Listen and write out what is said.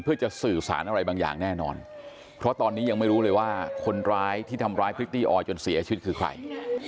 เพื่อจะสื่อสารอะไรบางอย่างแน่นอนเพราะตอนนี้ยังไม่รู้เลยว่าคนร้ายที่ทำร้ายพริตตี้ออยจนเสียชีวิตคือใคร